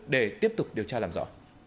để tiếp tục điều tra làm rõ